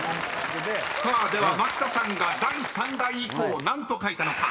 ［さあでは牧田さんが第三代以降何と書いたのか］